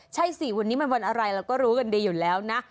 ใช่สิวันนี้มันวันอะไรเราก็รู้กันดีอยู่แล้วนะ